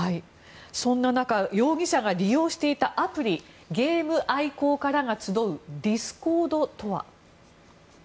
そんな中容疑者が利用していたアプリゲーム愛好家らが集うディスコードとは？